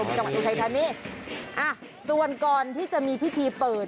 มีหุ่นที่แตกไป